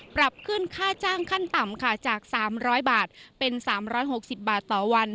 ปรับขึ้นค่าจ้างขั้นต่ำค่ะจาก๓๐๐บาทเป็น๓๖๐บาทต่อวัน